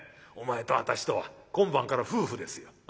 お前と私とは今晩から夫婦ですよ。